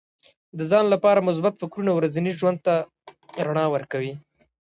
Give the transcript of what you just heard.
د ځان لپاره مثبت فکرونه ورځني ژوند ته رڼا ورکوي.